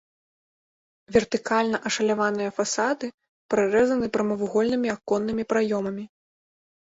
Вертыкальна ашаляваныя фасады прарэзаны прамавугольнымі аконнымі праёмамі.